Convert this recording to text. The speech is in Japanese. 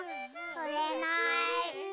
つれない。